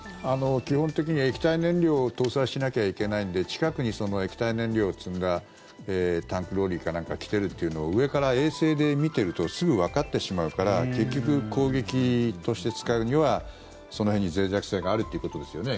基本的に液体燃料を搭載しなきゃいけないので近くに液体燃料を積んだタンクローリーかなんかが来ているというのを上から衛星で見ているとすぐわかってしまうから結局、攻撃として使うにはその辺に、ぜい弱性があるということですよね。